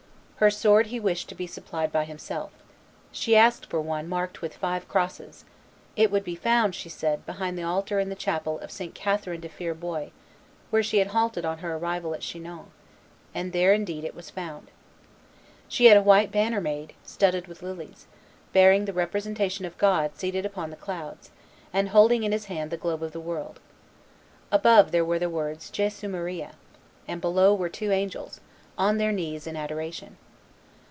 Her sword he wished to be supplied by himself; she asked for one marked with five crosses; it would be found, she said, behind the altar in the chapel of St. Catherine de Fierbois, where she had halted on her arrival at Chinon; and there, indeed, it was found. She had a white banner made, studded with lilies, bearing the representation of God seated upon the clouds, and holding in His hand the globe of the world. Above were the words "Jesu Maria," and below were two angels, on their knees in adoration.